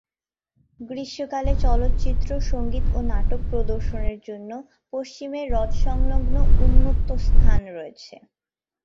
গ্রীষ্মকালে চলচ্চিত্র, সঙ্গীত ও নাটক প্রদর্শনের জন্য পশ্চিমের হ্রদ সংলগ্ন উন্মুক্ত স্থান রয়েছে।